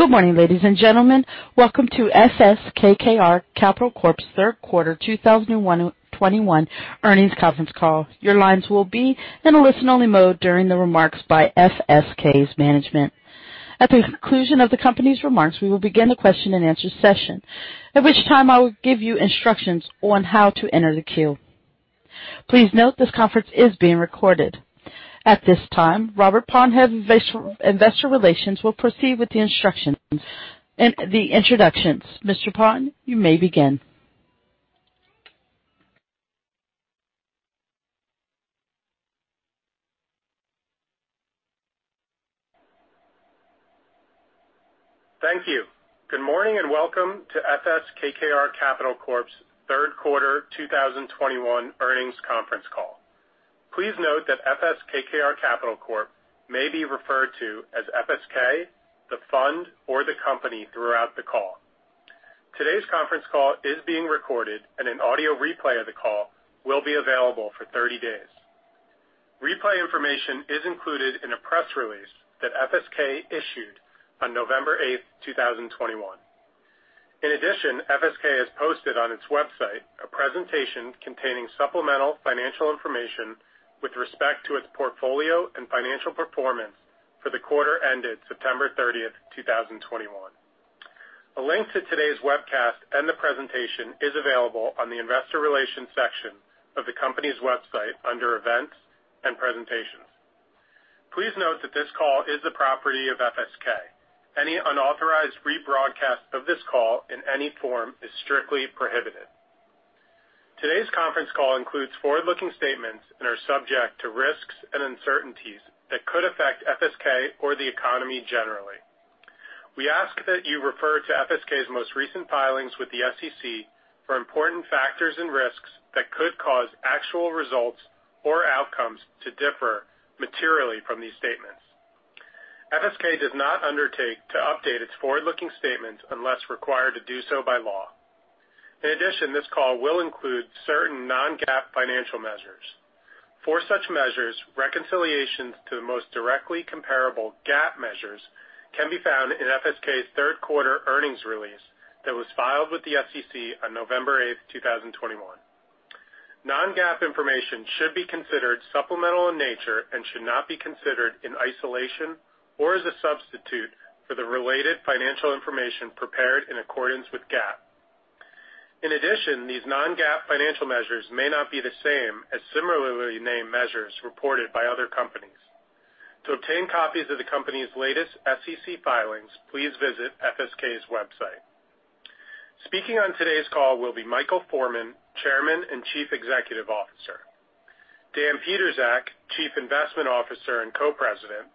Good morning, ladies and gentlemen. Welcome to FS KKR Capital Corp's third quarter 2021 earnings conference call. Your lines will be in a listen-only mode during the remarks by FSK's management. At the conclusion of the company's remarks, we will begin the question-and-answer session, at which time I will give you instructions on how to enter the queue. Please note this conference is being recorded. At this time, Robert Paun of Investor Relations will proceed with the instructions and the introductions. Mr. Paun, you may begin. Thank you. Good morning and welcome to FS KKR Capital Corp's third quarter 2021 earnings conference call. Please note that FS KKR Capital Corp may be referred to as FSK, the fund, or the company throughout the call. Today's conference call is being recorded, and an audio replay of the call will be available for 30 days. Replay information is included in a press release that FSK issued on November 8th, 2021. In addition, FSK has posted on its website a presentation containing supplemental financial information with respect to its portfolio and financial performance for the quarter ended September 30th, 2021. A link to today's webcast and the presentation is available on the Investor Relations section of the company's website under Events and Presentations. Please note that this call is the property of FSK. Any unauthorized rebroadcast of this call in any form is strictly prohibited. Today's conference call includes forward-looking statements and are subject to risks and uncertainties that could affect FSK or the economy generally. We ask that you refer to FSK's most recent filings with the SEC for important factors and risks that could cause actual results or outcomes to differ materially from these statements. FSK does not undertake to update its forward-looking statements unless required to do so by law. In addition, this call will include certain non-GAAP financial measures. For such measures, reconciliations to the most directly comparable GAAP measures can be found in FSK's third quarter earnings release that was filed with the SEC on November 8th, 2021. Non-GAAP information should be considered supplemental in nature and should not be considered in isolation or as a substitute for the related financial information prepared in accordance with GAAP. In addition, these non-GAAP financial measures may not be the same as similarly named measures reported by other companies. To obtain copies of the company's latest SEC filings, please visit FSK's website. Speaking on today's call will be Michael Forman, Chairman and Chief Executive Officer, Dan Pietrzak, Chief Investment Officer and Co-President,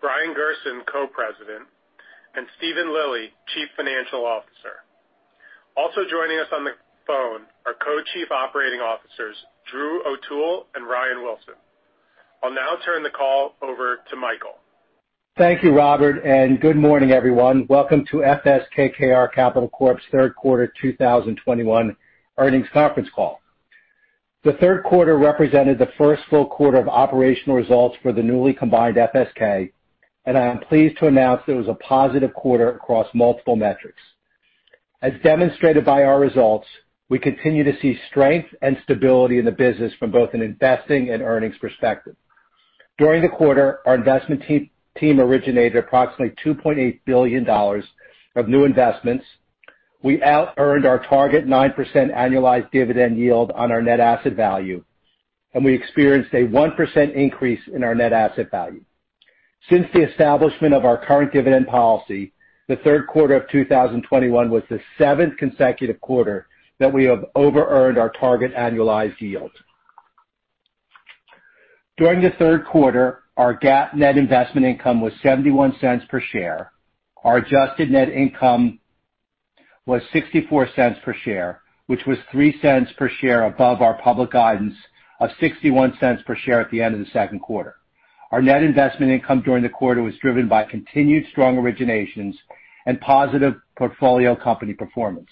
Brian Gerson, Co-President, and Steven Lilly, Chief Financial Officer. Also joining us on the phone are Co-Chief Operating Officers Drew O'Toole and Ryan Wilson. I'll now turn the call over to Michael. Thank you, Robert, and good morning, everyone. Welcome to FS KKR Capital Corp's third quarter 2021 earnings conference call. The third quarter represented the first full quarter of operational results for the newly combined FSK, and I am pleased to announce there was a positive quarter across multiple metrics. As demonstrated by our results, we continue to see strength and stability in the business from both an investing and earnings perspective. During the quarter, our investment team originated approximately $2.8 billion of new investments. We earned our target 9% annualized dividend yield on our net asset value, and we experienced a 1% increase in our net asset value. Since the establishment of our current dividend policy, the third quarter of 2021 was the seventh consecutive quarter that we have over-earned our target annualized yield. During the third quarter, our GAAP net investment income was $0.71 per share. Our adjusted net income was $0.64 per share, which was $0.03 per share above our public guidance of $0.61 per share at the end of the second quarter. Our net investment income during the quarter was driven by continued strong originations and positive portfolio company performance.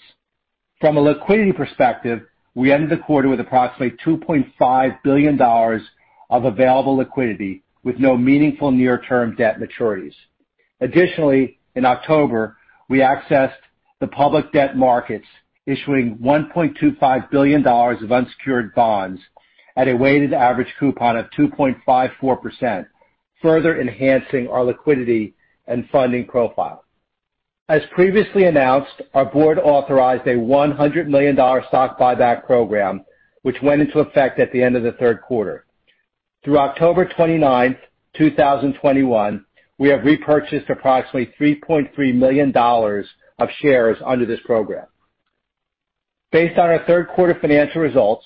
From a liquidity perspective, we ended the quarter with approximately $2.5 billion of available liquidity with no meaningful near-term debt maturities. Additionally, in October, we accessed the public debt markets, issuing $1.25 billion of unsecured bonds at a weighted average coupon of 2.54%, further enhancing our liquidity and funding profile. As previously announced, our board authorized a $100 million stock buyback program, which went into effect at the end of the third quarter. Through October 29th, 2021, we have repurchased approximately $3.3 million of shares under this program. Based on our third quarter financial results,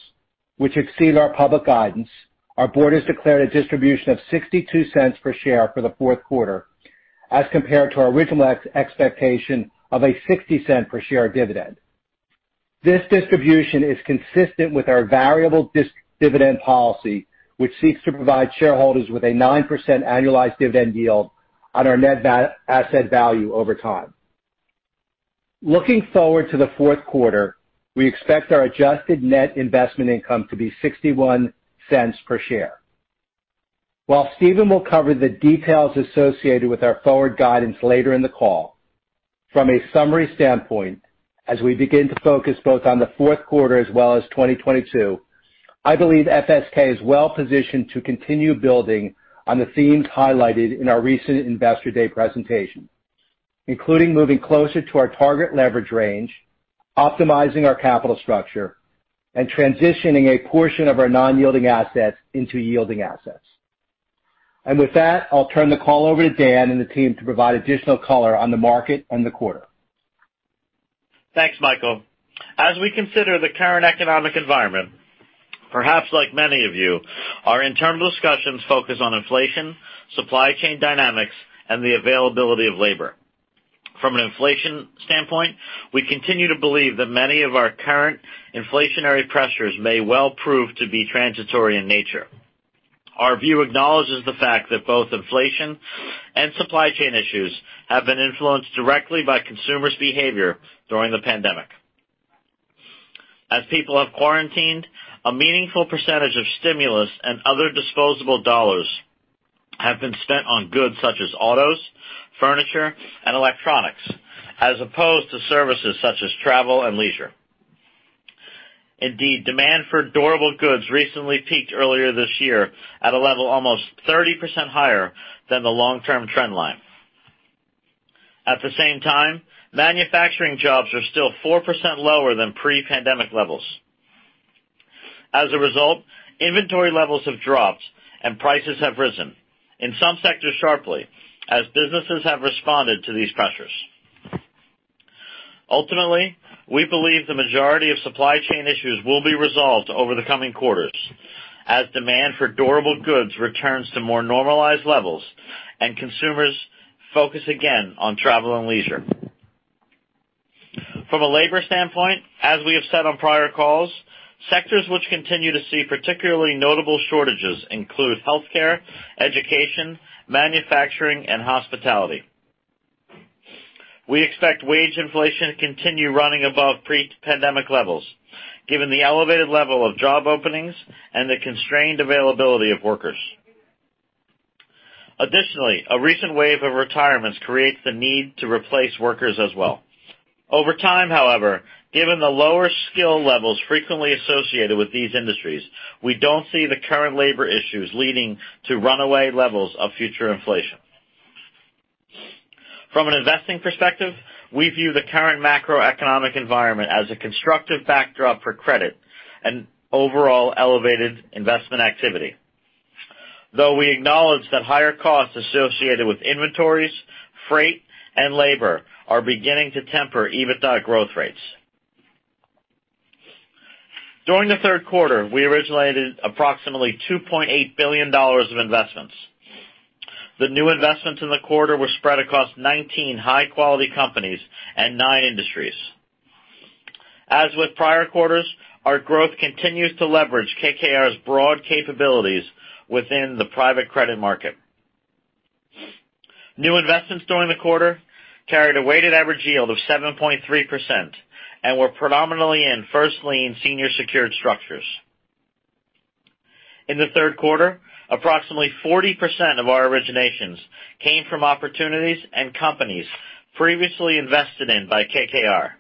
which exceed our public guidance, our board has declared a distribution of $0.62 per share for the fourth quarter, as compared to our original expectation of a $0.60 per share dividend. This distribution is consistent with our variable dividend policy, which seeks to provide shareholders with a 9% annualized dividend yield on our net asset value over time. Looking forward to the fourth quarter, we expect our adjusted net investment income to be $0.61 per share. While Steven will cover the details associated with our forward guidance later in the call, from a summary standpoint, as we begin to focus both on the fourth quarter as well as 2022, I believe FSK is well positioned to continue building on the themes highlighted in our recent Investor Day presentation, including moving closer to our target leverage range, optimizing our capital structure, and transitioning a portion of our non-yielding assets into yielding assets, and with that, I'll turn the call over to Dan and the team to provide additional color on the market and the quarter. Thanks, Michael. As we consider the current economic environment, perhaps like many of you, our internal discussions focus on inflation, supply chain dynamics, and the availability of labor. From an inflation standpoint, we continue to believe that many of our current inflationary pressures may well prove to be transitory in nature. Our view acknowledges the fact that both inflation and supply chain issues have been influenced directly by consumers' behavior during the pandemic. As people have quarantined, a meaningful percentage of stimulus and other disposable dollars have been spent on goods such as autos, furniture, and electronics, as opposed to services such as travel and leisure. Indeed, demand for durable goods recently peaked earlier this year at a level almost 30% higher than the long-term trend line. At the same time, manufacturing jobs are still 4% lower than pre-pandemic levels. As a result, inventory levels have dropped and prices have risen, in some sectors sharply, as businesses have responded to these pressures. Ultimately, we believe the majority of supply chain issues will be resolved over the coming quarters, as demand for durable goods returns to more normalized levels and consumers focus again on travel and leisure. From a labor standpoint, as we have said on prior calls, sectors which continue to see particularly notable shortages include healthcare, education, manufacturing, and hospitality. We expect wage inflation to continue running above pre-pandemic levels, given the elevated level of job openings and the constrained availability of workers. Additionally, a recent wave of retirements creates the need to replace workers as well. Over time, however, given the lower skill levels frequently associated with these industries, we don't see the current labor issues leading to runaway levels of future inflation. From an investing perspective, we view the current macroeconomic environment as a constructive backdrop for credit and overall elevated investment activity, though we acknowledge that higher costs associated with inventories, freight, and labor are beginning to temper EBITDA growth rates. During the third quarter, we originated approximately $2.8 billion of investments. The new investments in the quarter were spread across 19 high-quality companies and nine industries. As with prior quarters, our growth continues to leverage KKR's broad capabilities within the private credit market. New investments during the quarter carried a weighted average yield of 7.3% and were predominantly in first-lien, senior-secured structures. In the third quarter, approximately 40% of our originations came from opportunities and companies previously invested in by KKR,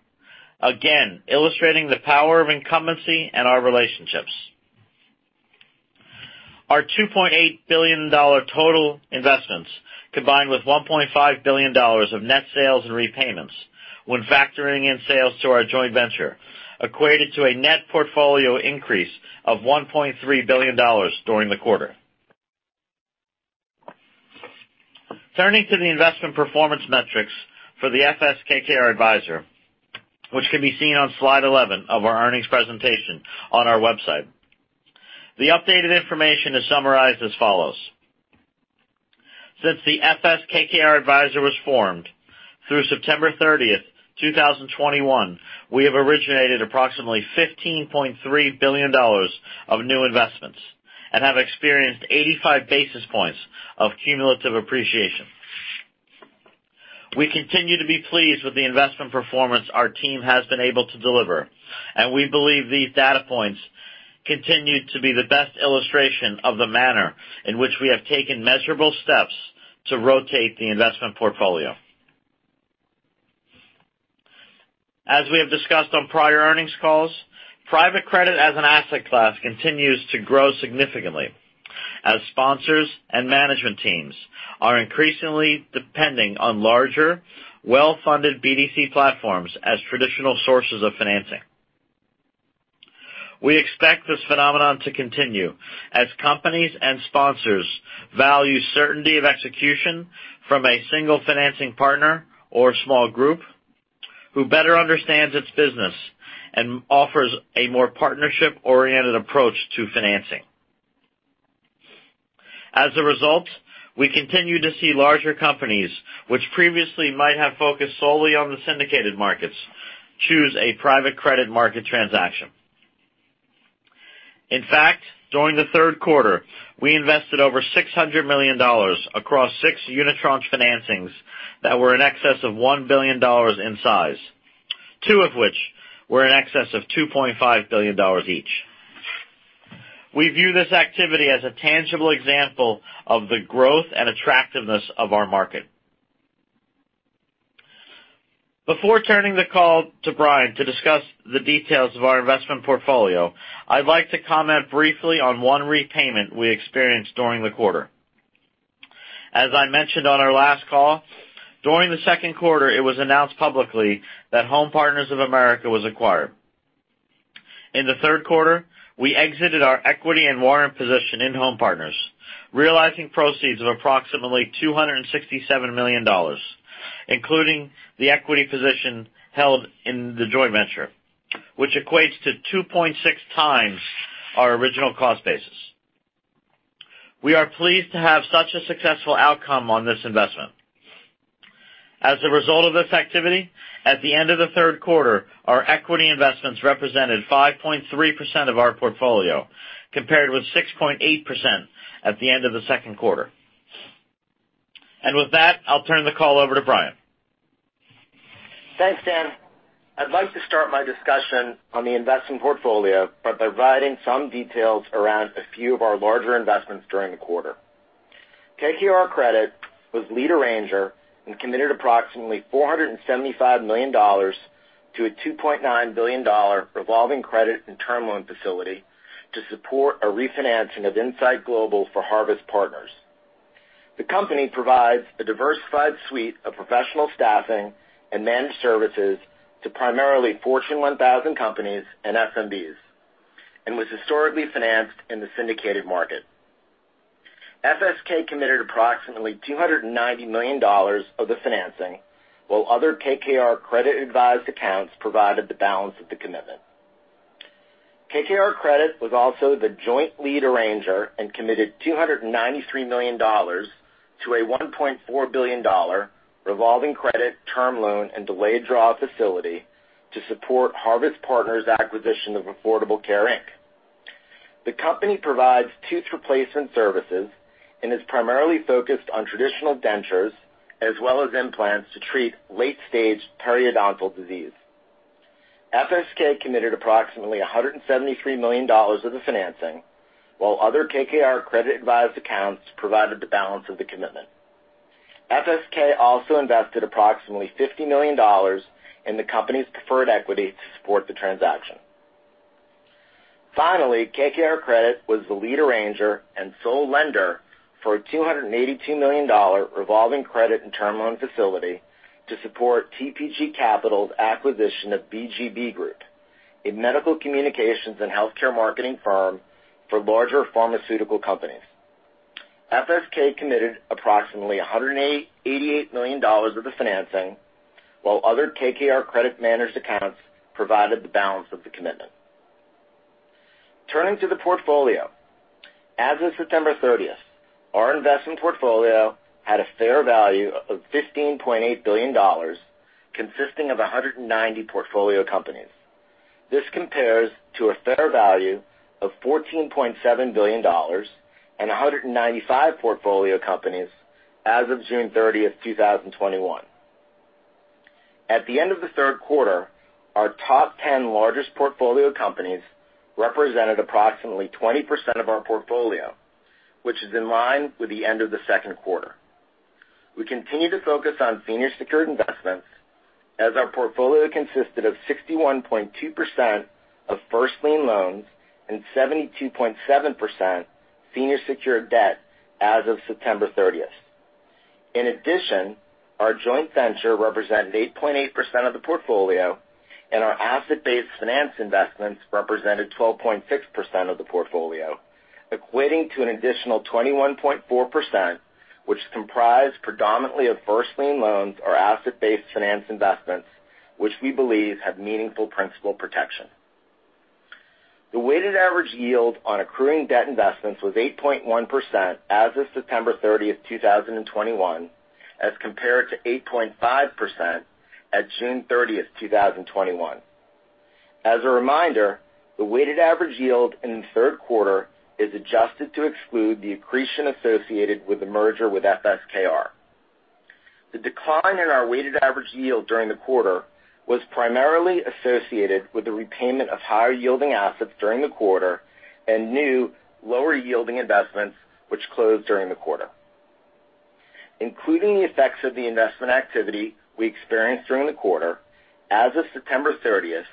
again illustrating the power of incumbency and our relationships. Our $2.8 billion total investments, combined with $1.5 billion of net sales and repayments, when factoring in sales to our joint venture, equated to a net portfolio increase of $1.3 billion during the quarter. Turning to the investment performance metrics for the FS KKR Advisor, which can be seen on slide 11 of our earnings presentation on our website, the updated information is summarized as follows. Since the FS KKR Advisor was formed through September 30th, 2021, we have originated approximately $15.3 billion of new investments and have experienced 85 basis points of cumulative appreciation. We continue to be pleased with the investment performance our team has been able to deliver, and we believe these data points continue to be the best illustration of the manner in which we have taken measurable steps to rotate the investment portfolio. As we have discussed on prior earnings calls, private credit as an asset class continues to grow significantly, as sponsors and management teams are increasingly depending on larger, well-funded BDC platforms as traditional sources of financing. We expect this phenomenon to continue as companies and sponsors value certainty of execution from a single financing partner or small group who better understands its business and offers a more partnership-oriented approach to financing. As a result, we continue to see larger companies, which previously might have focused solely on the syndicated markets, choose a private credit market transaction. In fact, during the third quarter, we invested over $600 million across six unitranche financings that were in excess of $1 billion in size, two of which were in excess of $2.5 billion each. We view this activity as a tangible example of the growth and attractiveness of our market. Before turning the call to Brian to discuss the details of our investment portfolio, I'd like to comment briefly on one repayment we experienced during the quarter. As I mentioned on our last call, during the second quarter, it was announced publicly that Home Partners of America was acquired. In the third quarter, we exited our equity and warrant position in Home Partners, realizing proceeds of approximately $267 million, including the equity position held in the joint venture, which equates to 2.6 times our original cost basis. We are pleased to have such a successful outcome on this investment. As a result of this activity, at the end of the third quarter, our equity investments represented 5.3% of our portfolio, compared with 6.8% at the end of the second quarter. And with that, I'll turn the call over to Brian. Thanks, Dan. I'd like to start my discussion on the investment portfolio by providing some details around a few of our larger investments during the quarter. KKR Credit was lead arranger and committed approximately $475 million to a $2.9 billion revolving credit and term loan facility to support a refinancing of Insight Global for Harvest Partners. The company provides a diversified suite of professional staffing and managed services to primarily Fortune 1000 companies and SMBs, and was historically financed in the syndicated market. FSK committed approximately $290 million of the financing, while other KKR Credit-advised accounts provided the balance of the commitment. KKR Credit was also the joint lead arranger and committed $293 million to a $1.4 billion revolving credit term loan and delayed draw facility to support Harvest Partners' acquisition of Affordable Care Inc. The company provides tooth replacement services and is primarily focused on traditional dentures as well as implants to treat late-stage periodontal disease. FSK committed approximately $173 million of the financing, while other KKR Credit-advised accounts provided the balance of the commitment. FSK also invested approximately $50 million in the company's preferred equity to support the transaction. Finally, KKR Credit was the lead arranger and sole lender for a $282 million revolving credit and term loan facility to support TPG Capital's acquisition of BGB Group, a medical communications and healthcare marketing firm for larger pharmaceutical companies. FSK committed approximately $188 million of the financing, while other KKR Credit-managed accounts provided the balance of the commitment. Turning to the portfolio, as of September 30th, our investment portfolio had a fair value of $15.8 billion, consisting of 190 portfolio companies. This compares to a fair value of $14.7 billion and 195 portfolio companies as of June 30th, 2021. At the end of the third quarter, our top 10 largest portfolio companies represented approximately 20% of our portfolio, which is in line with the end of the second quarter. We continue to focus on senior-secured investments, as our portfolio consisted of 61.2% of first-lien loans and 72.7% senior-secured debt as of September 30th. In addition, our joint venture represented 8.8% of the portfolio, and our asset-based finance investments represented 12.6% of the portfolio, equating to an additional 21.4%, which comprised predominantly of first-lien loans or asset-based finance investments, which we believe have meaningful principal protection. The weighted average yield on accruing debt investments was 8.1% as of September 30th, 2021, as compared to 8.5% at June 30th, 2021. As a reminder, the weighted average yield in the third quarter is adjusted to exclude the accretion associated with the merger with FS KKR. The decline in our weighted average yield during the quarter was primarily associated with the repayment of higher-yielding assets during the quarter and new lower-yielding investments which closed during the quarter. Including the effects of the investment activity we experienced during the quarter, as of September 30th,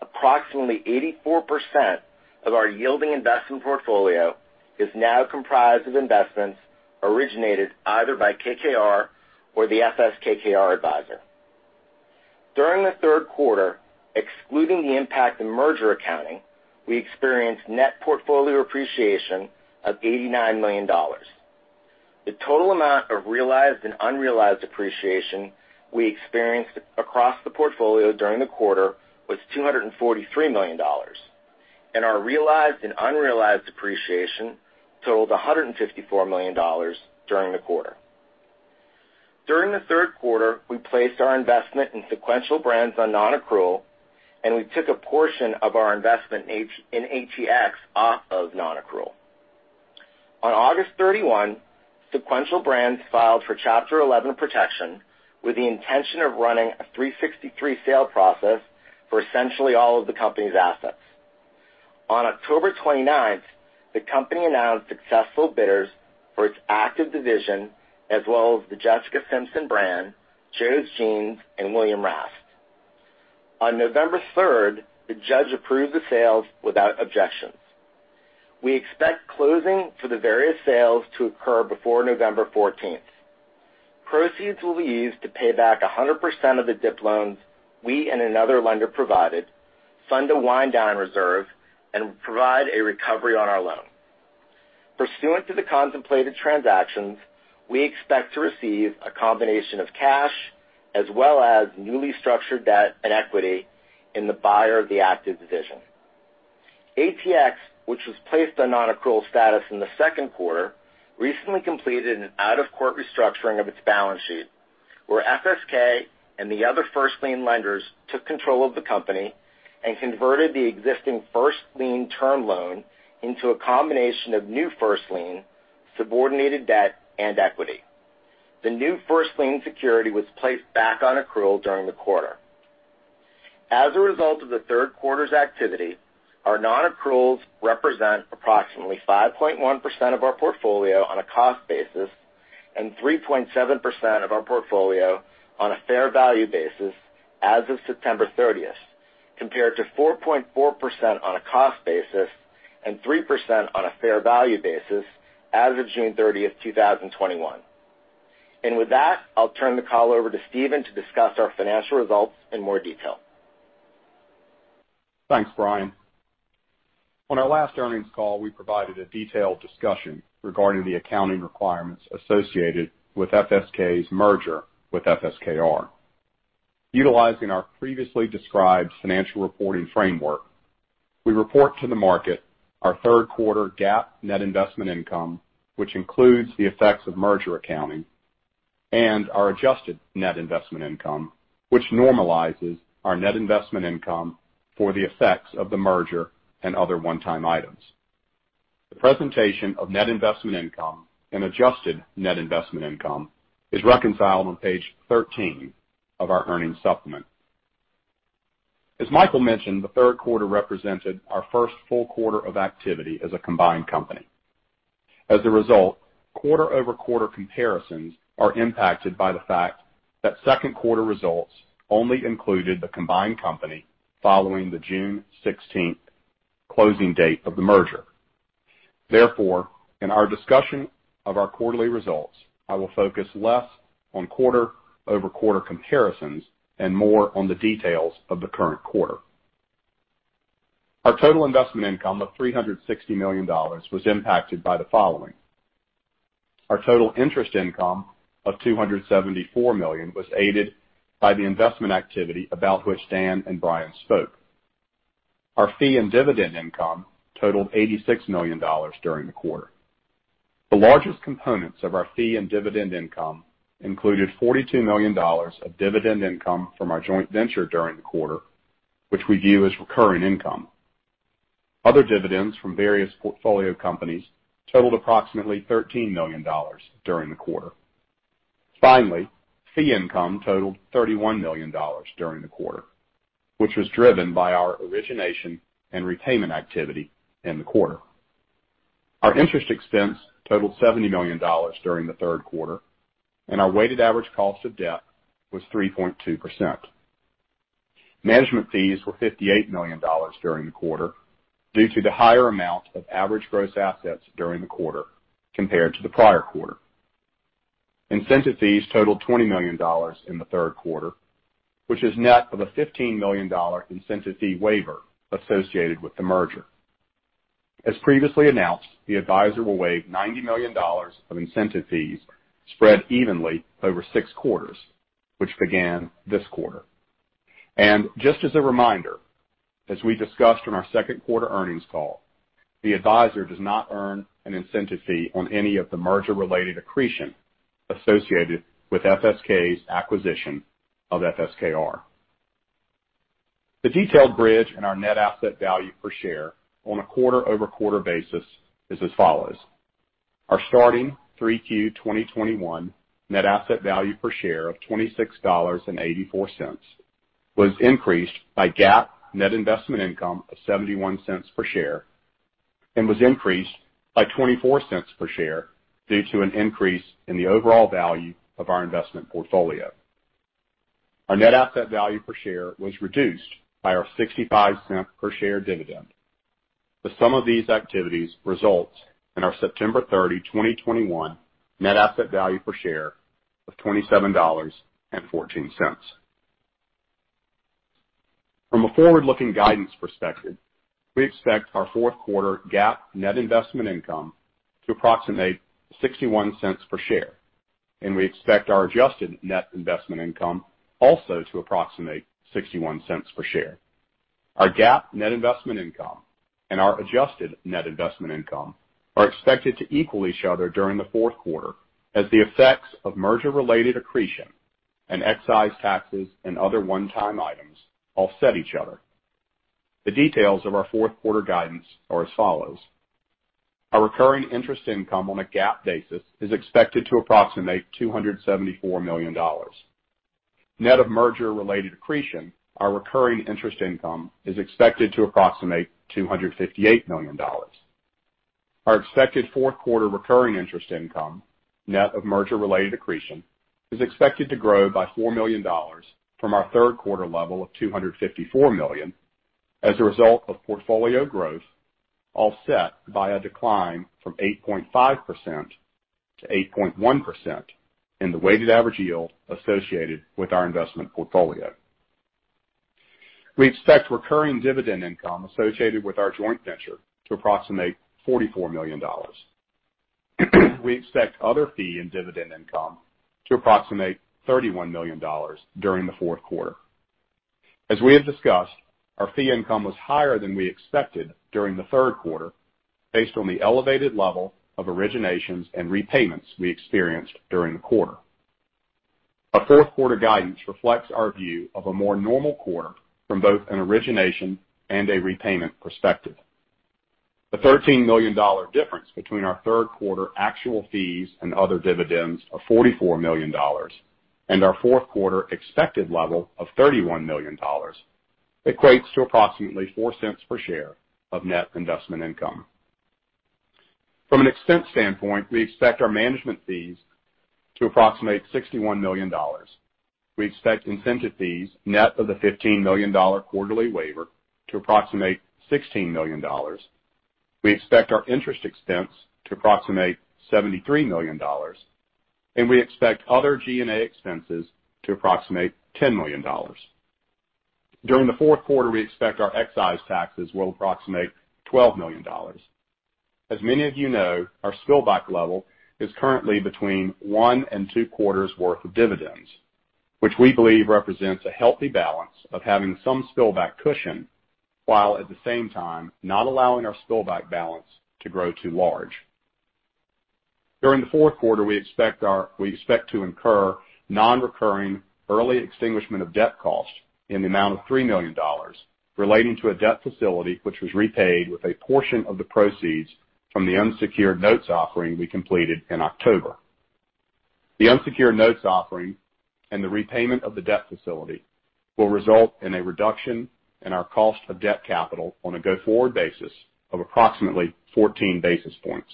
approximately 84% of our yielding investment portfolio is now comprised of investments originated either by KKR or the FS KKR Advisor. During the third quarter, excluding the impact of merger accounting, we experienced net portfolio appreciation of $89 million. The total amount of realized and unrealized appreciation we experienced across the portfolio during the quarter was $243 million, and our realized and unrealized appreciation totaled $154 million during the quarter. During the third quarter, we placed our investment in Sequential Brands on non-accrual, and we took a portion of our investment in KPS off of non-accrual. On August 31, Sequential Brands filed for Chapter 11 protection with the intention of running a 363 sale process for essentially all of the company's assets. On October 29th, the company announced successful bidders for its active division, as well as the Jessica Simpson brand, Joe's Jeans, and William Rast. On November 3rd, the judge approved the sales without objections. We expect closing for the various sales to occur before November 14th. Proceeds will be used to pay back 100% of the DIP loans we and another lender provided, fund a wind-down reserve, and provide a recovery on our loan. Pursuant to the contemplated transactions, we expect to receive a combination of cash as well as newly structured debt and equity in the buyer of the active division. HEX, which was placed on non-accrual status in the second quarter, recently completed an out-of-court restructuring of its balance sheet, where FS K and the other first-lien lenders took control of the company and converted the existing first-lien term loan into a combination of new first-lien, subordinated debt, and equity. The new first-lien security was placed back on accrual during the quarter. As a result of the third quarter's activity, our non-accruals represent approximately 5.1% of our portfolio on a cost basis and 3.7% of our portfolio on a fair value basis as of September 30th, compared to 4.4% on a cost basis and 3% on a fair value basis as of June 30th, 2021. With that, I'll turn the call over to Steven to discuss our financial results in more detail. Thanks, Brian. On our last earnings call, we provided a detailed discussion regarding the accounting requirements associated with FSK's merger with FS KKR. Utilizing our previously described financial reporting framework, we report to the market our third quarter GAAP net investment income, which includes the effects of merger accounting, and our adjusted net investment income, which normalizes our net investment income for the effects of the merger and other one-time items. The presentation of net investment income and adjusted net investment income is reconciled on page 13 of our earnings supplement. As Michael mentioned, the third quarter represented our first full quarter of activity as a combined company. As a result, quarter-over-quarter comparisons are impacted by the fact that second quarter results only included the combined company following the June 16th closing date of the merger. Therefore, in our discussion of our quarterly results, I will focus less on quarter-over-quarter comparisons and more on the details of the current quarter. Our total investment income of $360 million was impacted by the following. Our total interest income of $274 million was aided by the investment activity about which Dan and Brian spoke. Our fee and dividend income totaled $86 million during the quarter. The largest components of our fee and dividend income included $42 million of dividend income from our joint venture during the quarter, which we view as recurring income. Other dividends from various portfolio companies totaled approximately $13 million during the quarter. Finally, fee income totaled $31 million during the quarter, which was driven by our origination and repayment activity in the quarter. Our interest expense totaled $70 million during the third quarter, and our weighted average cost of debt was 3.2%. Management fees were $58 million during the quarter due to the higher amount of average gross assets during the quarter compared to the prior quarter. Incentive fees totaled $20 million in the third quarter, which is net of a $15 million incentive fee waiver associated with the merger. As previously announced, the advisor will waive $90 million of incentive fees spread evenly over six quarters, which began this quarter. Just as a reminder, as we discussed in our second quarter earnings call, the advisor does not earn an incentive fee on any of the merger-related accretion associated with FSK's acquisition of FSKR. The detailed bridge and our net asset value per share on a quarter-over-quarter basis is as follows. Our starting 3Q 2021 net asset value per share of $26.84 was increased by GAAP net investment income of $0.71 per share and was increased by $0.24 per share due to an increase in the overall value of our investment portfolio. Our net asset value per share was reduced by our $0.65 per share dividend. The sum of these activities results in our September 30, 2021, net asset value per share of $27.14. From a forward-looking guidance perspective, we expect our fourth quarter GAAP net investment income to approximate $0.61 per share, and we expect our adjusted net investment income also to approximate $0.61 per share. Our GAAP net investment income and our adjusted net investment income are expected to equal each other during the fourth quarter as the effects of merger-related accretion and excise taxes and other one-time items offset each other. The details of our fourth quarter guidance are as follows. Our recurring interest income on a GAAP basis is expected to approximate $274 million. Net of merger-related accretion, our recurring interest income is expected to approximate $258 million. Our expected fourth quarter recurring interest income, net of merger-related accretion, is expected to grow by $4 million from our third quarter level of $254 million as a result of portfolio growth offset by a decline from 8.5% to 8.1% in the weighted average yield associated with our investment portfolio. We expect recurring dividend income associated with our joint venture to approximate $44 million. We expect other fee and dividend income to approximate $31 million during the fourth quarter. As we have discussed, our fee income was higher than we expected during the third quarter based on the elevated level of originations and repayments we experienced during the quarter. Our fourth quarter guidance reflects our view of a more normal quarter from both an origination and a repayment perspective. The $13 million difference between our third quarter actual fees and other dividends of $44 million and our fourth quarter expected level of $31 million equates to approximately $0.04 per share of net investment income. From an expense standpoint, we expect our management fees to approximate $61 million. We expect incentive fees net of the $15 million quarterly waiver to approximate $16 million. We expect our interest expense to approximate $73 million, and we expect other G&A expenses to approximate $10 million. During the fourth quarter, we expect our excise taxes will approximate $12 million. As many of you know, our spillback level is currently between one and two quarters' worth of dividends, which we believe represents a healthy balance of having some spillback cushion while at the same time not allowing our spillback balance to grow too large. During the fourth quarter, we expect to incur non-recurring early extinguishment of debt cost in the amount of $3 million relating to a debt facility which was repaid with a portion of the proceeds from the unsecured notes offering we completed in October. The unsecured notes offering and the repayment of the debt facility will result in a reduction in our cost of debt capital on a go-forward basis of approximately 14 basis points.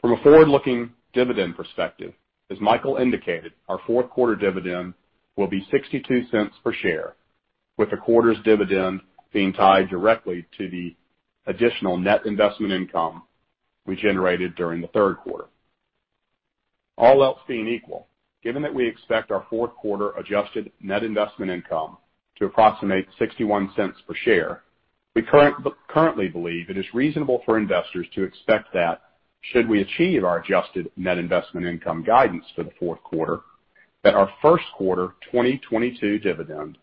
From a forward-looking dividend perspective, as Michael indicated, our fourth quarter dividend will be $0.62 per share, with the quarter's dividend being tied directly to the additional net investment income we generated during the third quarter. All else being equal, given that we expect our fourth quarter adjusted net investment income to approximate $0.61 per share, we currently believe it is reasonable for investors to expect that should we achieve our adjusted net investment income guidance for the fourth quarter that our first quarter 2022 dividend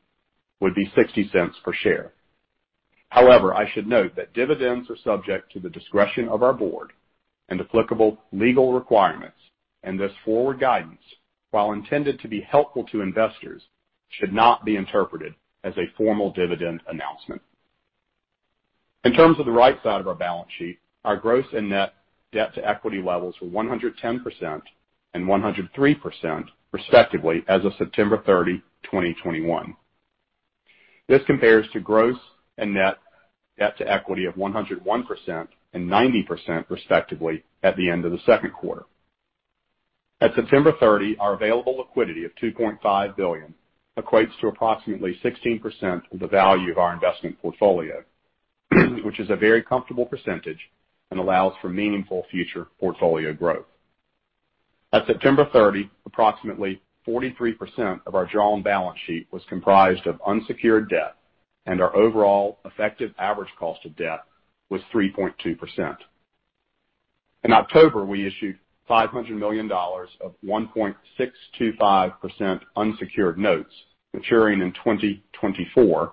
would be $0.60 per share. However, I should note that dividends are subject to the discretion of our board and applicable legal requirements, and this forward guidance, while intended to be helpful to investors, should not be interpreted as a formal dividend announcement. In terms of the right side of our balance sheet, our gross and net debt to equity levels were 110% and 103% respectively as of September 30, 2021. This compares to gross and net debt to equity of 101% and 90% respectively at the end of the second quarter. At September 30, our available liquidity of $2.5 billion equates to approximately 16% of the value of our investment portfolio, which is a very comfortable percentage and allows for meaningful future portfolio growth. At September 30, approximately 43% of our drawn balance sheet was comprised of unsecured debt, and our overall effective average cost of debt was 3.2%. In October, we issued $500 million of 1.625% unsecured notes maturing in 2024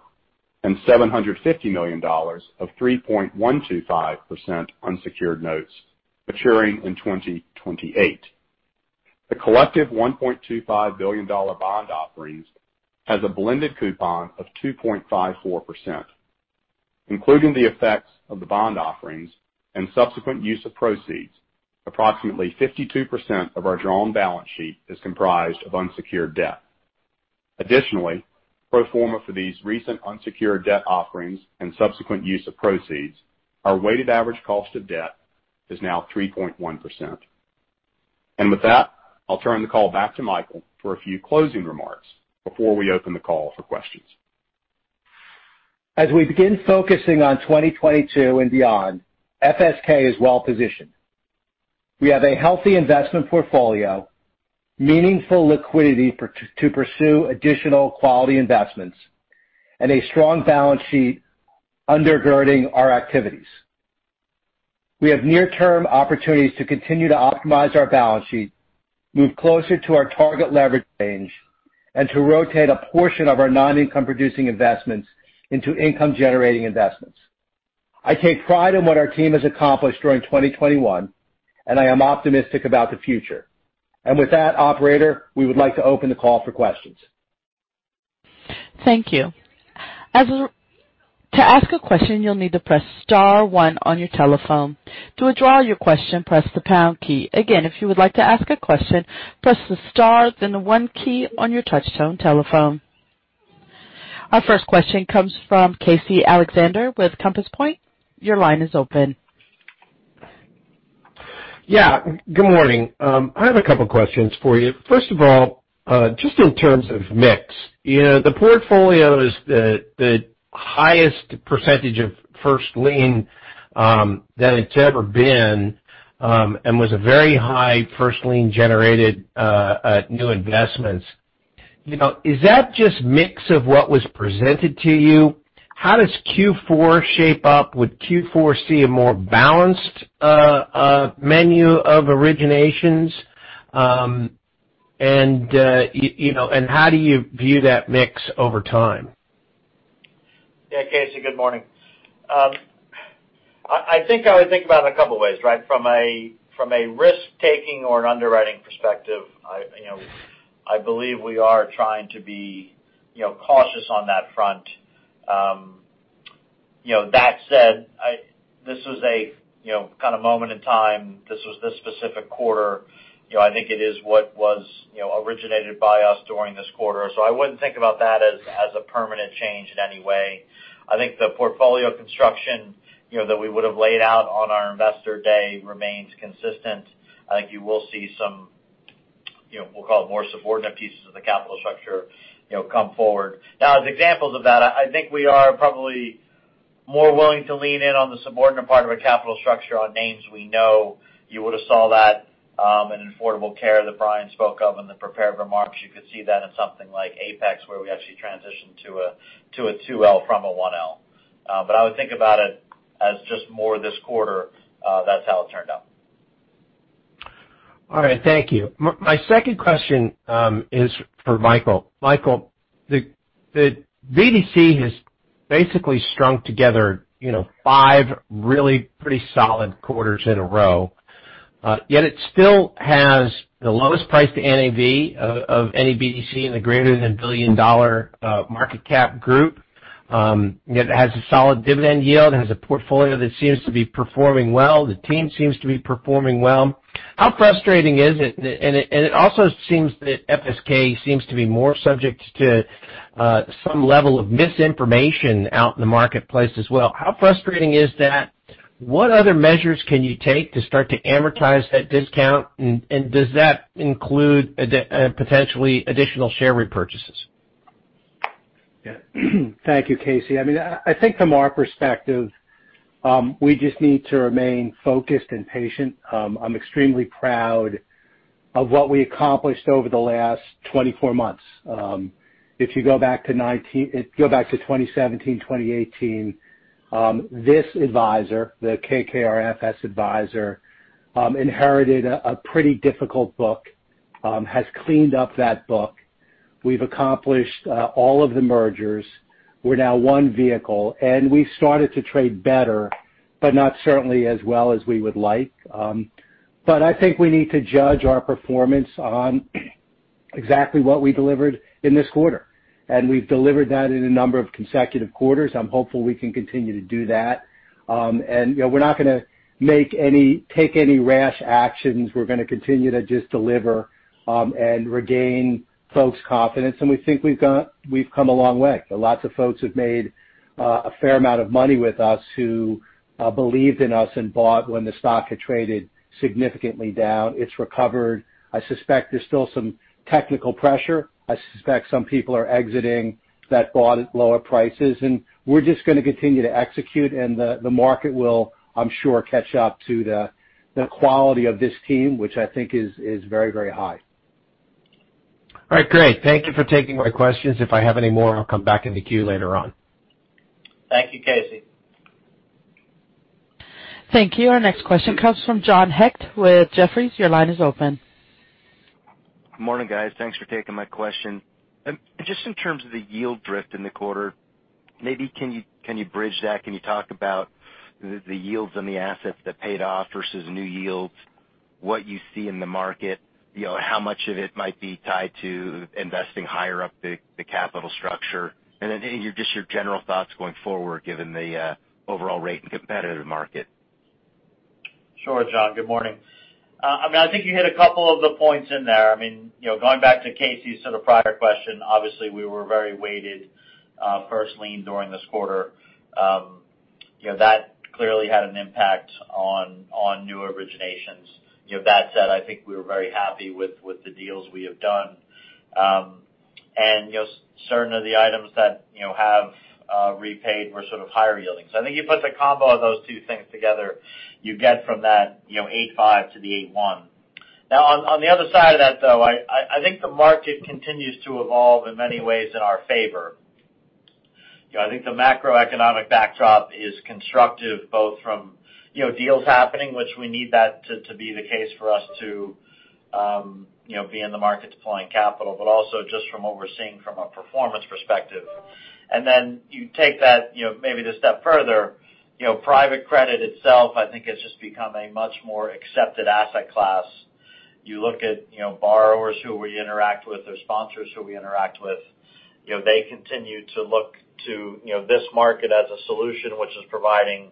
and $750 million of 3.125% unsecured notes maturing in 2028. The collective $1.25 billion bond offerings has a blended coupon of 2.54%. Including the effects of the bond offerings and subsequent use of proceeds, approximately 52% of our drawn balance sheet is comprised of unsecured debt. Additionally, pro forma for these recent unsecured debt offerings and subsequent use of proceeds, our weighted average cost of debt is now 3.1%. With that, I'll turn the call back to Michael for a few closing remarks before we open the call for questions. As we begin focusing on 2022 and beyond, FSK is well positioned. We have a healthy investment portfolio, meaningful liquidity to pursue additional quality investments, and a strong balance sheet undergirding our activities. We have near-term opportunities to continue to optimize our balance sheet, move closer to our target leverage range, and to rotate a portion of our non-income-producing investments into income-generating investments. I take pride in what our team has accomplished during 2021, and I am optimistic about the future, and with that, Operator, we would like to open the call for questions. Thank you. To ask a question, you'll need to press star one on your telephone. To withdraw your question, press the pound key. Again, if you would like to ask a question, press the star, then the one key on your touch-tone telephone. Our first question comes from Casey Alexander with Compass Point. Your line is open. Yeah. Good morning. I have a couple of questions for you. First of all, just in terms of mix, the portfolio is the highest percentage of first lien that it's ever been and was a very high first lien generated new investments. Is that just mix of what was presented to you? How does Q4 shape up? Would Q4 see a more balanced menu of originations? And how do you view that mix over time? Yeah, Casey, good morning. I think I would think about it in a couple of ways, right? From a risk-taking or an underwriting perspective, I believe we are trying to be cautious on that front. That said, this was a kind of moment in time. This was this specific quarter. I think it is what was originated by us during this quarter. So I wouldn't think about that as a permanent change in any way. I think the portfolio construction that we would have laid out on our investor day remains consistent. I think you will see some, we'll call it more subordinate pieces of the capital structure come forward. Now, as examples of that, I think we are probably more willing to lean in on the subordinate part of a capital structure on names we know. You would have saw that in Affordable Care that Brian spoke of in the prepared remarks. You could see that in something like ATX, where we actually transitioned to a 2L from a 1L. But I would think about it as just more this quarter. That's how it turned out. All right. Thank you. My second question is for Michael. Michael, the BDC has basically strung together five really pretty solid quarters in a row. Yet it still has the lowest price to NAV of any BDC in the greater than billion-dollar market cap group. Yet it has a solid dividend yield. It has a portfolio that seems to be performing well. The team seems to be performing well. How frustrating is it? And it also seems that FSK seems to be more subject to some level of misinformation out in the marketplace as well. How frustrating is that? What other measures can you take to start to amortize that discount? And does that include potentially additional share repurchases? Thank you, Casey. I mean, I think from our perspective, we just need to remain focused and patient. I'm extremely proud of what we accomplished over the last 24 months. If you go back to 2017, 2018, this advisor, the FS KKR Advisor, inherited a pretty difficult book, has cleaned up that book. We've accomplished all of the mergers. We're now one vehicle, and we've started to trade better, but not certainly as well as we would like, but I think we need to judge our performance on exactly what we delivered in this quarter, and we've delivered that in a number of consecutive quarters. I'm hopeful we can continue to do that, and we're not going to take any rash actions. We're going to continue to just deliver and regain folks' confidence, and we think we've come a long way. Lots of folks have made a fair amount of money with us who believed in us and bought when the stock had traded significantly down. It's recovered. I suspect there's still some technical pressure. I suspect some people are exiting that bought at lower prices, and we're just going to continue to execute, and the market will, I'm sure, catch up to the quality of this team, which I think is very, very high. All right. Great. Thank you for taking my questions. If I have any more, I'll come back into queue later on. Thank you, Casey. Thank you. Our next question comes from John Hecht with Jefferies. Your line is open. Good morning, guys. Thanks for taking my question. Just in terms of the yield drift in the quarter, maybe can you bridge that? Can you talk about the yields on the assets that paid off versus new yields, what you see in the market, how much of it might be tied to investing higher up the capital structure, and then just your general thoughts going forward, given the overall rate and competitive market? Sure, John. Good morning. I mean, I think you hit a couple of the points in there. I mean, going back to Casey's sort of prior question, obviously we were very weighted first lien during this quarter. That clearly had an impact on new originations. That said, I think we were very happy with the deals we have done. And certain of the items that have repaid were sort of higher yielding. So I think you put the combo of those two things together, you get from that 8.5 to the 8.1. Now, on the other side of that, though, I think the market continues to evolve in many ways in our favor. I think the macroeconomic backdrop is constructive, both from deals happening, which we need that to be the case for us to be in the market deploying capital, but also just from what we're seeing from a performance perspective. Then you take that maybe a step further. Private credit itself, I think, has just become a much more accepted asset class. You look at borrowers who we interact with or sponsors who we interact with. They continue to look to this market as a solution, which is providing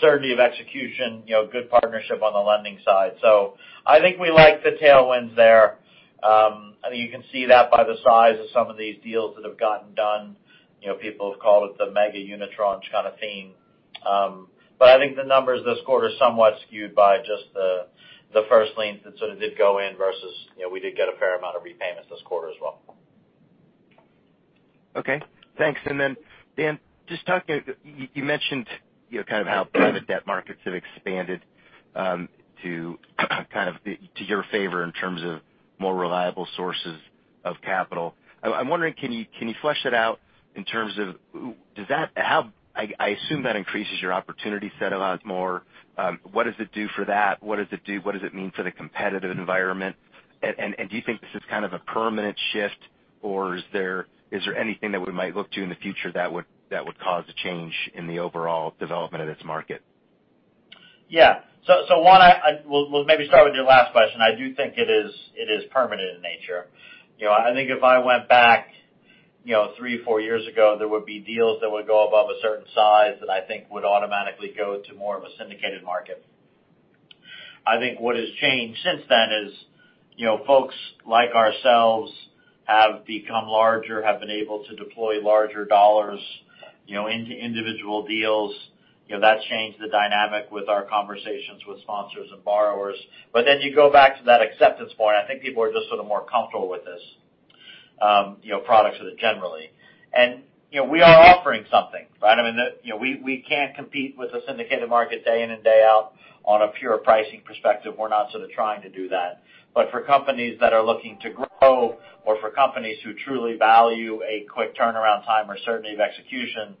certainty of execution, good partnership on the lending side. So I think we like the tailwinds there. I think you can see that by the size of some of these deals that have gotten done. People have called it the mega unitron kind of theme. But I think the numbers this quarter are somewhat skewed by just the first lien that sort of did go in versus we did get a fair amount of repayments this quarter as well. Okay. Thanks. And then, Dan, just talking about you mentioned kind of how private debt markets have expanded to kind of to your favor in terms of more reliable sources of capital. I'm wondering, can you flesh that out in terms of I assume that increases your opportunity set a lot more. What does it do for that? What does it do? What does it mean for the competitive environment? And do you think this is kind of a permanent shift, or is there anything that we might look to in the future that would cause a change in the overall development of its market? Yeah. So, one, we'll maybe start with your last question. I do think it is permanent in nature. I think if I went back three, four years ago, there would be deals that would go above a certain size that I think would automatically go to more of a syndicated market. I think what has changed since then is folks like ourselves have become larger, have been able to deploy larger dollars into individual deals. That's changed the dynamic with our conversations with sponsors and borrowers. But then you go back to that acceptance point. I think people are just sort of more comfortable with this, products that are generally. And we are offering something, right? I mean, we can't compete with the syndicated market day in and day out on a pure pricing perspective. We're not sort of trying to do that. But for companies that are looking to grow or for companies who truly value a quick turnaround time or certainty of execution,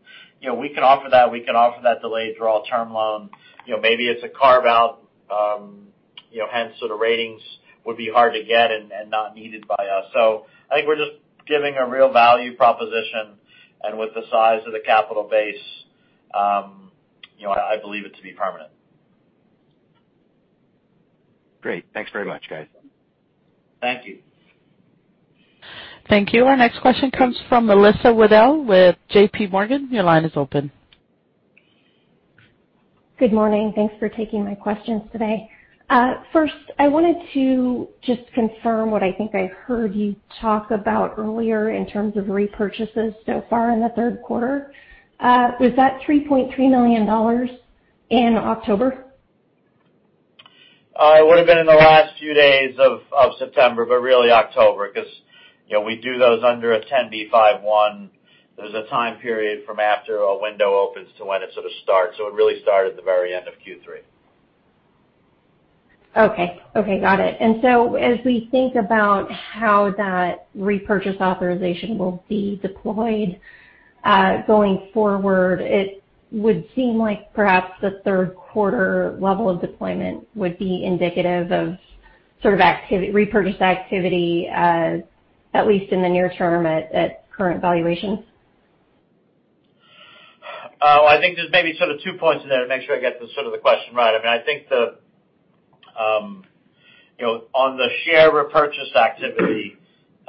we can offer that. We can offer that delayed draw term loan. Maybe it's a carve-out, hence sort of ratings would be hard to get and not needed by us. So I think we're just giving a real value proposition. And with the size of the capital base, I believe it to be permanent. Great. Thanks very much, guys. Thank you. Thank you. Our next question comes from Melissa Wedel with J.P. Morgan. Your line is open. Good morning. Thanks for taking my questions today. First, I wanted to just confirm what I think I heard you talk about earlier in terms of repurchases so far in the third quarter. Was that $3.3 million in October? It would have been in the last few days of September, but really October, because we do those under a 10b5-1. There's a time period from after a window opens to when it sort of starts. So it really started at the very end of Q3. Okay. Got it. And so as we think about how that repurchase authorization will be deployed going forward, it would seem like perhaps the third quarter level of deployment would be indicative of sort of repurchase activity, at least in the near term at current valuations? I think there's maybe sort of two points in there to make sure I get sort of the question right. I mean, I think on the share repurchase activity,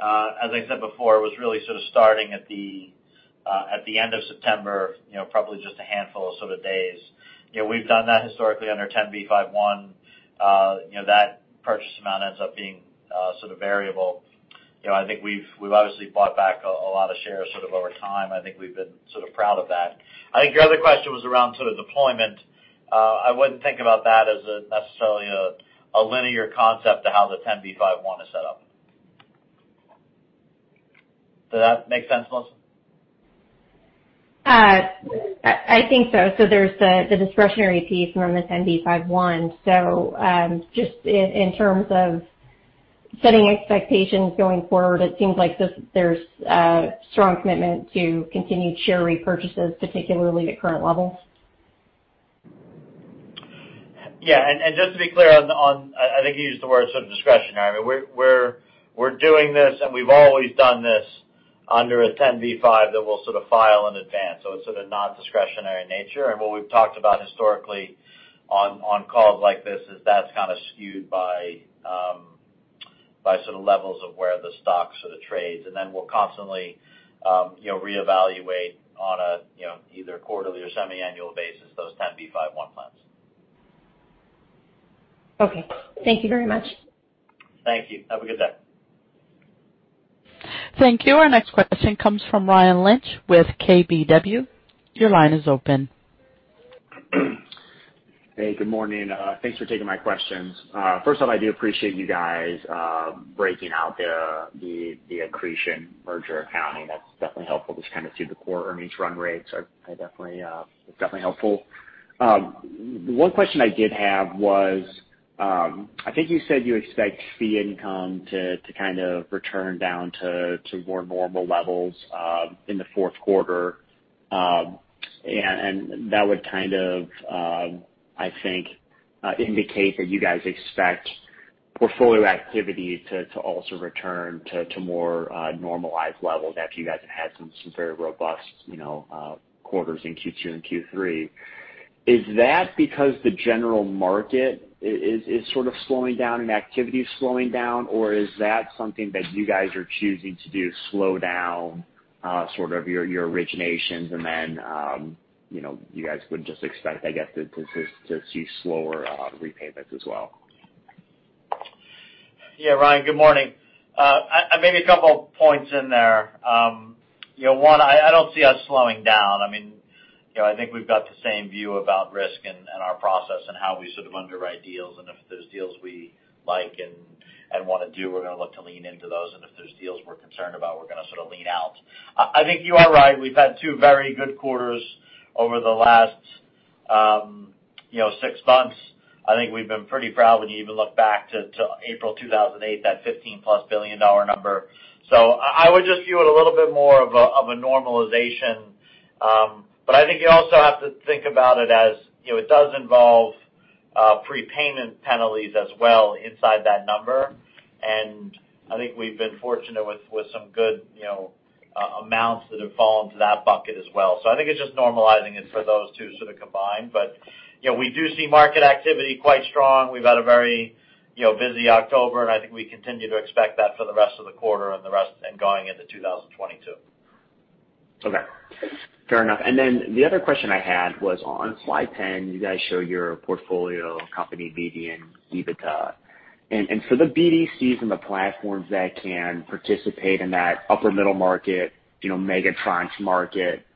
as I said before, it was really sort of starting at the end of September, probably just a handful of sort of days. We've done that historically under 10b5-1. That purchase amount ends up being sort of variable. I think we've obviously bought back a lot of shares sort of over time. I think we've been sort of proud of that. I think your other question was around sort of deployment. I wouldn't think about that as necessarily a linear concept to how the 10b5-1 is set up. Does that make sense, Melissa? I think so. So there's the discretionary piece from the 10b5-1. So just in terms of setting expectations going forward, it seems like there's strong commitment to continued share repurchases, particularly at current levels. Yeah. And just to be clear on, I think you used the word sort of discretionary. I mean, we're doing this, and we've always done this under a 10b5-1 that we'll sort of file in advance. So it's sort of not discretionary in nature. And what we've talked about historically on calls like this is that's kind of skewed by sort of levels of where the stock sort of trades. And then we'll constantly reevaluate on an either quarterly or semi-annual basis those 10b5-1 plans. Okay. Thank you very much. Thank you. Have a good day. Thank you. Our next question comes from Ryan Lynch with KBW. Your line is open. Hey, good morning. Thanks for taking my questions. First off, I do appreciate you guys breaking out the accretion merger accounting. That's definitely helpful just kind of through the core earnings run rates. It's definitely helpful. One question I did have was, I think you said you expect fee income to kind of return down to more normal levels in the fourth quarter. And that would kind of, I think, indicate that you guys expect portfolio activity to also return to more normalized levels after you guys have had some very robust quarters in Q2 and Q3. Is that because the general market is sort of slowing down and activity is slowing down, or is that something that you guys are choosing to do, slow down sort of your originations, and then you guys would just expect, I guess, to see slower repayments as well? Yeah, Ryan, good morning. Maybe a couple of points in there. One, I don't see us slowing down. I mean, I think we've got the same view about risk and our process and how we sort of underwrite deals. And if there's deals we like and want to do, we're going to look to lean into those. And if there's deals we're concerned about, we're going to sort of lean out. I think you are right. We've had two very good quarters over the last six months. I think we've been pretty proud when you even look back to April 2008, that $15-plus billion number. So I would just view it a little bit more of a normalization. But I think you also have to think about it as it does involve prepayment penalties as well inside that number. And I think we've been fortunate with some good amounts that have fallen to that bucket as well. So I think it's just normalizing it for those two sort of combined. But we do see market activity quite strong. We've had a very busy October, and I think we continue to expect that for the rest of the quarter and going into 2022. Okay. Fair enough. And then the other question I had was, on slide 10, you guys show your portfolio company median, EBITDA. And for the BDCs and the platforms that can participate in that upper middle market, mega tranche market,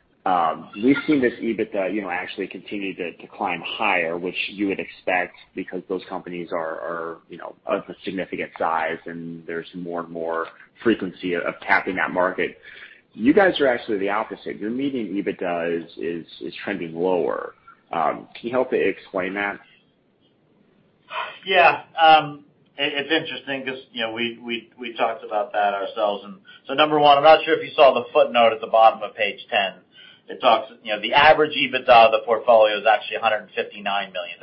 we've seen this EBITDA actually continue to climb higher, which you would expect because those companies are of a significant size and there's more and more frequency of tapping that market. You guys are actually the opposite. Your median EBITDA is trending lower. Can you help explain that? Yeah. It's interesting because we talked about that ourselves, and so number one, I'm not sure if you saw the footnote at the bottom of page 10. It talks the average EBITDA of the portfolio is actually $159 million.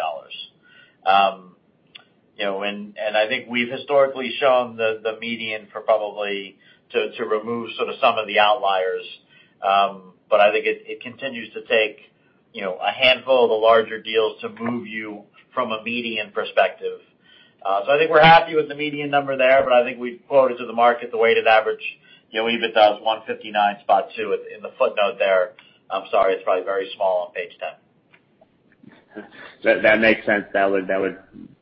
And I think we've historically shown the median for probably to remove sort of some of the outliers. But I think it continues to take a handful of the larger deals to move you from a median perspective, so I think we're happy with the median number there, but I think we've quoted to the market the weighted average EBITDA is $159.2 in the footnote there. I'm sorry, it's probably very small on page 10. That makes sense. That would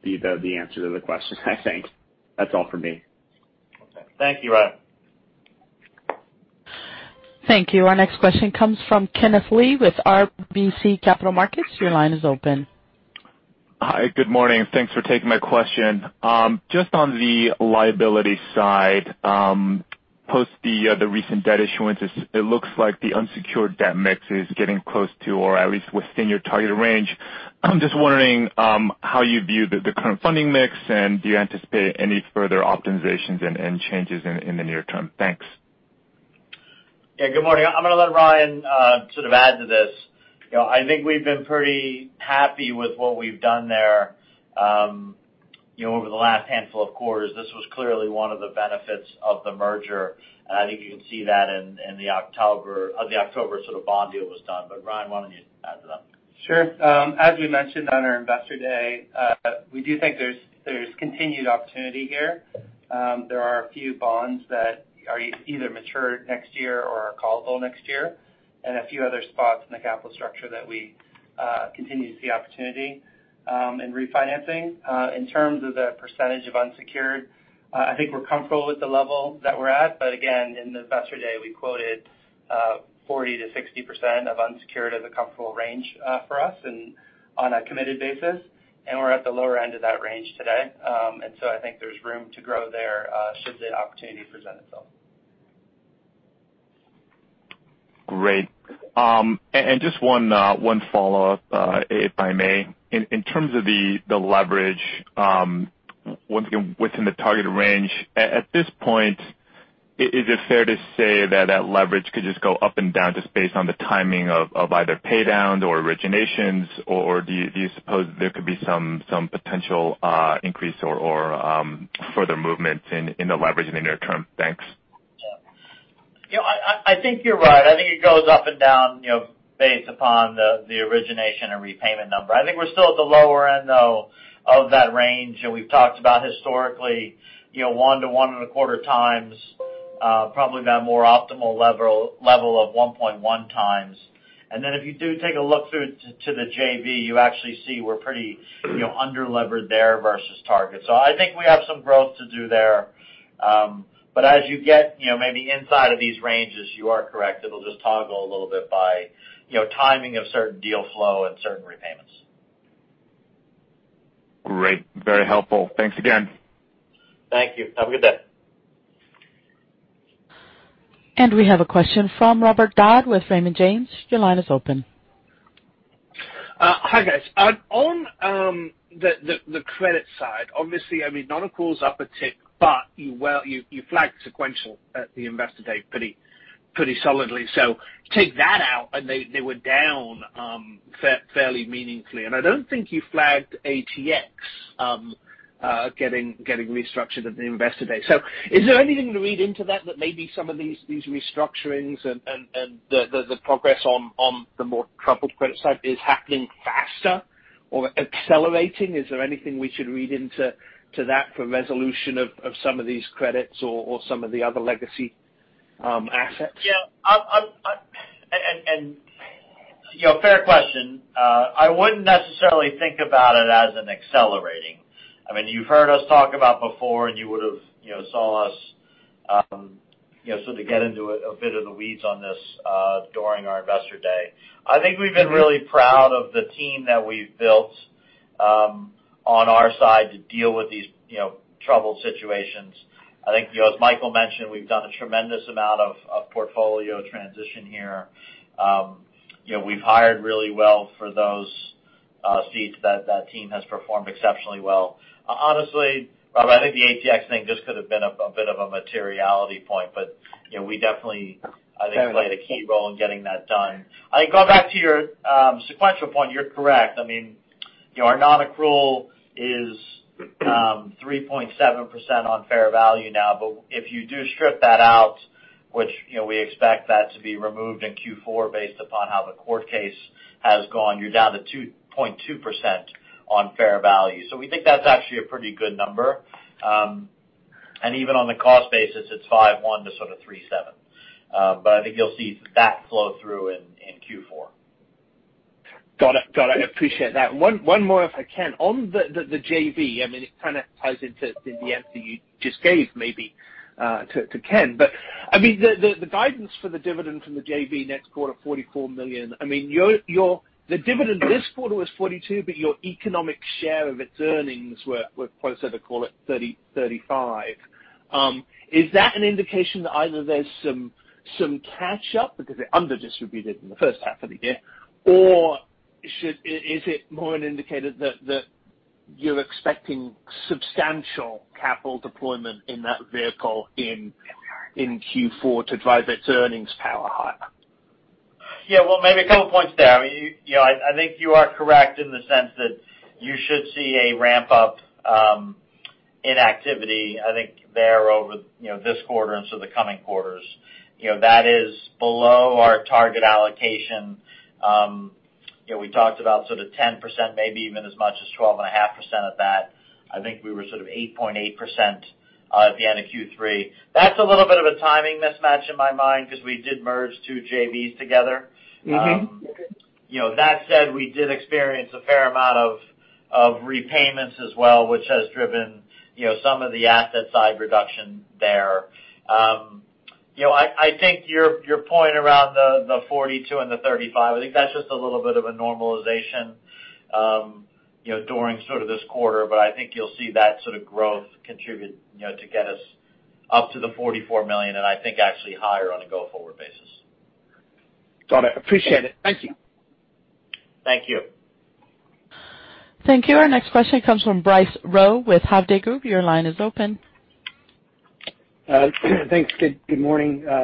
be the answer to the question, I think. That's all for me. Okay. Thank you, Ryan. Thank you. Our next question comes from Kenneth Lee with RBC Capital Markets. Your line is open. Hi, good morning. Thanks for taking my question. Just on the liability side, post the recent debt issuance, it looks like the unsecured debt mix is getting close to, or at least within your target range. I'm just wondering how you view the current funding mix and do you anticipate any further optimizations and changes in the near term? Thanks. Yeah, good morning. I'm going to let Ryan sort of add to this. I think we've been pretty happy with what we've done there over the last handful of quarters. This was clearly one of the benefits of the merger, and I think you can see that in the October sort of bond deal was done. But Ryan, why don't you add to that? Sure. As we mentioned on our investor day, we do think there's continued opportunity here. There are a few bonds that are either mature next year or are callable next year, and a few other spots in the capital structure that we continue to see opportunity in refinancing. In terms of the percentage of unsecured, I think we're comfortable with the level that we're at, but again, in the investor day, we quoted 40%-60% of unsecured as a comfortable range for us on a committed basis, and we're at the lower end of that range today, and so I think there's room to grow there should the opportunity present itself. Great. And just one follow-up, if I may. In terms of the leverage, once again, within the target range, at this point, is it fair to say that that leverage could just go up and down just based on the timing of either paydowns or originations, or do you suppose there could be some potential increase or further movement in the leverage in the near term? Thanks. Yeah. I think you're right. I think it goes up and down based upon the origination and repayment number. I think we're still at the lower end, though, of that range, and we've talked about historically one to one and a quarter times, probably that more optimal level of 1.1 times, and then if you do take a look through to the JV, you actually see we're pretty under-levered there versus target, so I think we have some growth to do there, but as you get maybe inside of these ranges, you are correct. It'll just toggle a little bit by timing of certain deal flow and certain repayments. Great. Very helpful. Thanks again. Thank you. Have a good day. And we have a question from Robert Dodd with Raymond James. Your line is open. Hi, guys. On the credit side, obviously, I mean, not a huge uptick, but you flagged Sequential at the investor day pretty solidly. So take that out, and they were down fairly meaningfully. And I don't think you flagged Apex getting restructured at the investor day. So is there anything to read into that that maybe some of these restructurings and the progress on the more troubled credit side is happening faster or accelerating? Is there anything we should read into that for resolution of some of these credits or some of the other legacy assets? Yeah. And fair question. I wouldn't necessarily think about it as an accelerating. I mean, you've heard us talk about before, and you would have saw us sort of get into a bit of the weeds on this during our investor day. I think we've been really proud of the team that we've built on our side to deal with these troubled situations. I think, as Michael mentioned, we've done a tremendous amount of portfolio transition here. We've hired really well for those seats that that team has performed exceptionally well. Honestly, Robert, I think the ATX thing just could have been a bit of a materiality point, but we definitely, I think, played a key role in getting that done. I think going back to your sequential point, you're correct. I mean, our non-accrual is 3.7% on fair value now. But if you do strip that out, which we expect that to be removed in Q4 based upon how the court case has gone, you're down to 2.2% on fair value, so we think that's actually a pretty good number, and even on the cost basis, it's 5.1 to sort of 3.7, but I think you'll see that flow through in Q4. Got it. Got it. Appreciate that. One more, if I can. On the JV, I mean, it kind of ties into the answer you just gave maybe to Ken. But I mean, the guidance for the dividend from the JV next quarter, $44 million. I mean, the dividend this quarter was $42 million, but your economic share of its earnings were closer to call it $35 million. Is that an indication that either there's some catch-up because it underdistributed in the first half of the year, or is it more an indicator that you're expecting substantial capital deployment in that vehicle in Q4 to drive its earnings power higher? Yeah. Well, maybe a couple of points there. I mean, I think you are correct in the sense that you should see a ramp-up in activity, I think, there over this quarter and sort of the coming quarters. That is below our target allocation. We talked about sort of 10%, maybe even as much as 12.5% of that. I think we were sort of 8.8% at the end of Q3. That's a little bit of a timing mismatch in my mind because we did merge two JVs together. That said, we did experience a fair amount of repayments as well, which has driven some of the asset side reduction there. I think your point around the 42 and the 35, I think that's just a little bit of a normalization during sort of this quarter. But I think you'll see that sort of growth contribute to get us up to the $44 million, and I think actually higher on a go-forward basis. Got it. Appreciate it. Thank you. Thank you. Thank you. Our next question comes from Bryce Rowe with Hovde Group. Your line is open. Thanks. Good morning. I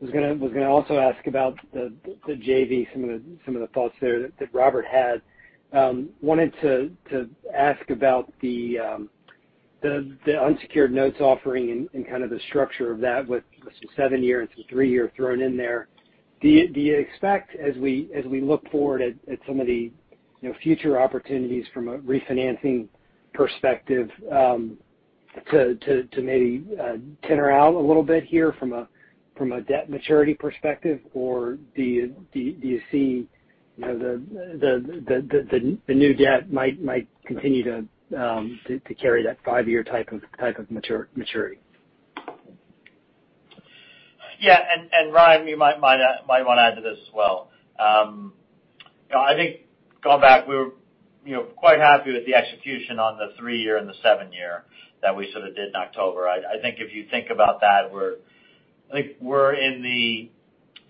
was going to also ask about the JV, some of the thoughts there that Robert had. Wanted to ask about the unsecured notes offering and kind of the structure of that with some seven-year and some three-year thrown in there. Do you expect, as we look forward at some of the future opportunities from a refinancing perspective, to maybe stagger out a little bit here from a debt maturity perspective? Or do you see the new debt might continue to carry that five-year type of maturity? Yeah. And Ryan, you might want to add to this as well. I think going back, we were quite happy with the execution on the three-year and the seven-year that we sort of did in October. I think if you think about that, I think we're in the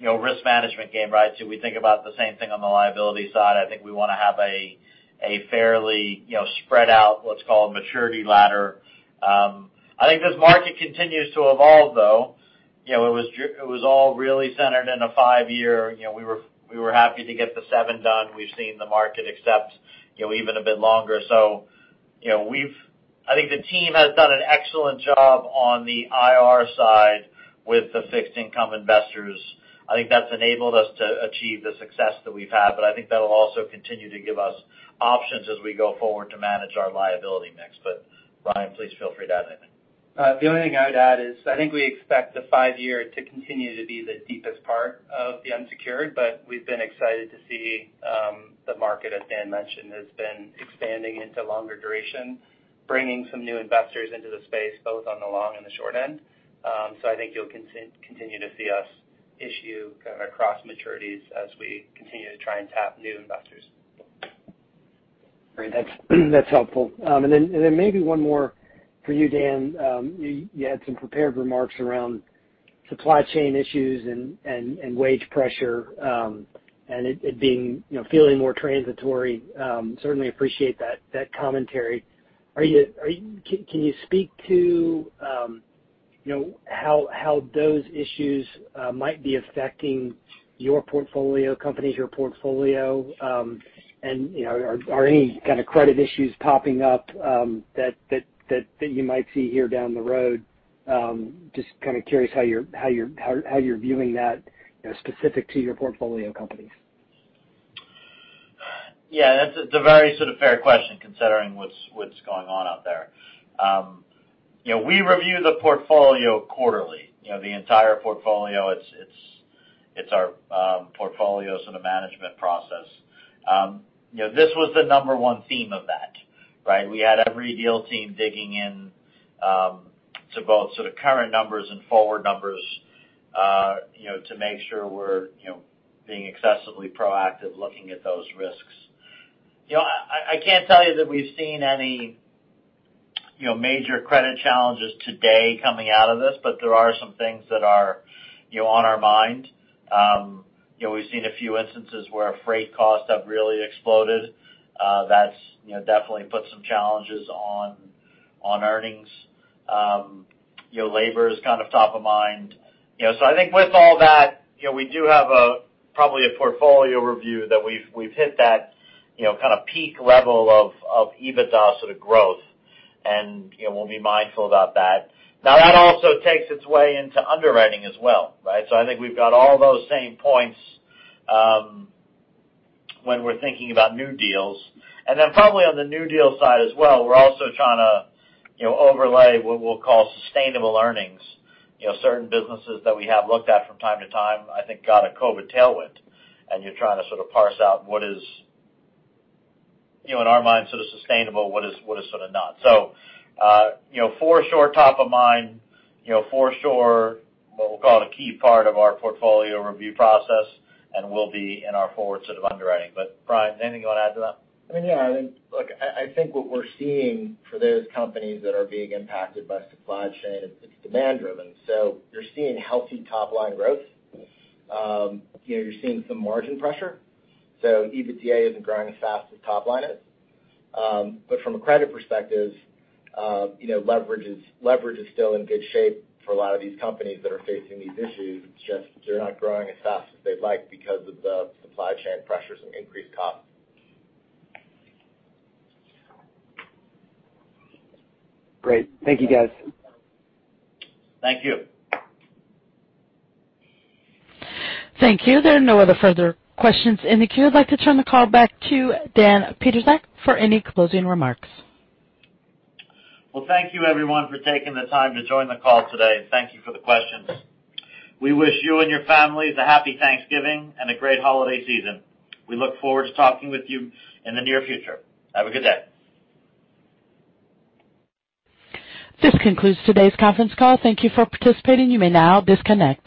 risk management game, right? So we think about the same thing on the liability side. I think we want to have a fairly spread out, let's call it, maturity ladder. I think this market continues to evolve, though. It was all really centered in a five-year. We were happy to get the seven done. We've seen the market accept even a bit longer. So I think the team has done an excellent job on the IR side with the fixed income investors. I think that's enabled us to achieve the success that we've had. But I think that'll also continue to give us options as we go forward to manage our liability mix. But Ryan, please feel free to add anything. The only thing I would add is I think we expect the five-year to continue to be the deepest part of the unsecured. But we've been excited to see the market, as Dan mentioned, has been expanding into longer duration, bringing some new investors into the space, both on the long and the short end. So I think you'll continue to see us issue kind of cross-maturities as we continue to try and tap new investors. Great. That's helpful. And then maybe one more for you, Dan. You had some prepared remarks around supply chain issues and wage pressure and it being feeling more transitory. Certainly appreciate that commentary. Can you speak to how those issues might be affecting your portfolio, companies, your portfolio? And are any kind of credit issues popping up that you might see here down the road? Just kind of curious how you're viewing that specific to your portfolio companies. Yeah. That's a very sort of fair question considering what's going on out there. We review the portfolio quarterly, the entire portfolio. It's our portfolio sort of management process. This was the number one theme of that, right? We had every deal team digging into both sort of current numbers and forward numbers to make sure we're being excessively proactive looking at those risks. I can't tell you that we've seen any major credit challenges today coming out of this, but there are some things that are on our mind. We've seen a few instances where freight costs have really exploded. That's definitely put some challenges on earnings. Labor is kind of top of mind. So I think with all that, we do have probably a portfolio review that we've hit that kind of peak level of EBITDA sort of growth. And we'll be mindful about that. Now, that also takes its way into underwriting as well, right? So I think we've got all those same points when we're thinking about new deals. And then probably on the new deal side as well, we're also trying to overlay what we'll call sustainable earnings. Certain businesses that we have looked at from time to time, I think, got a COVID tailwind. And you're trying to sort of parse out what is, in our mind, sort of sustainable, what is sort of not. So for sure, top of mind, for sure, what we'll call a key part of our portfolio review process, and will be in our forward sort of underwriting. But Ryan, anything you want to add to that? I mean, yeah. I think what we're seeing for those companies that are being impacted by supply chain, it's demand-driven. So you're seeing healthy top-line growth. You're seeing some margin pressure. So EBITDA isn't growing as fast as top-line is. But from a credit perspective, leverage is still in good shape for a lot of these companies that are facing these issues. It's just they're not growing as fast as they'd like because of the supply chain pressures and increased costs. Great. Thank you, guys. Thank you. Thank you. There are no other further questions in the queue. I'd like to turn the call back to Dan Pietrzak for any closing remarks. Thank you, everyone, for taking the time to join the call today. Thank you for the questions. We wish you and your families a happy Thanksgiving and a great holiday season. We look forward to talking with you in the near future. Have a good day. This concludes today's conference call. Thank you for participating. You may now disconnect.